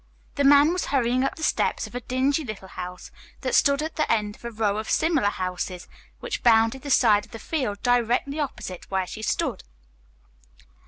The man was hurrying up the steps of a dingy little house that stood at the end of a row of similar houses which bounded the side of the field directly opposite where she stood.